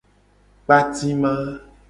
Kpatima.